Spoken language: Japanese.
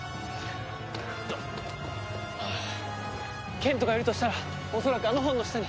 賢人がいるとしたら恐らくあの本の下に！